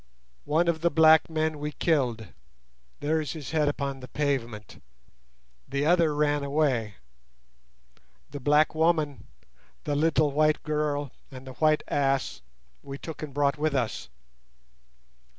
One of the black men we killed—there is his head upon the pavement; the other ran away. The black woman, the little white girl, and the white ass we took and brought with us.